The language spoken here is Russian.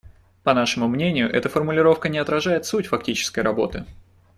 По нашему мнению, эта формулировка не отражает суть фактической работы.